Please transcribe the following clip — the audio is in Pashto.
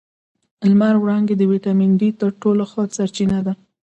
د لمر وړانګې د ویټامین ډي تر ټولو ښه سرچینه ده